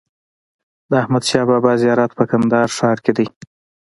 د احمدشاه بابا زيارت په کندهار ښار کي دئ.